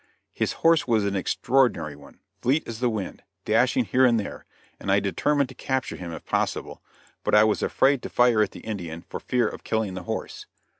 His horse was an extraordinary one, fleet as the wind, dashing here and there, and I determined to capture him if possible, but I was afraid to fire at the Indian for fear of killing the horse.